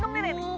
gak bunuh diri